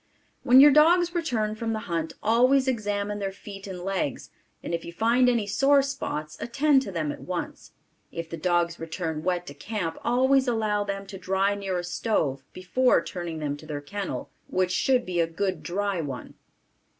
When your dogs return from the hunt always examine their feet and legs and if you find any sore spots attend to them at once. If the dogs return wet to camp always allow them to dry near a stove before turning them to their kennel which should be a good dry one.